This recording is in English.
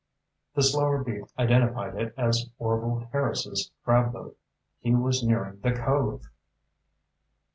The slower beat identified it as Orvil Harris's crab boat. He was nearing the cove!